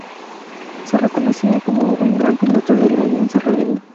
Se reconocía como un gran piloto de la alianza rebelde.